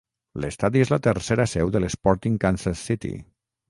L'estadi és la tercera seu de l'Sporting Kansas City.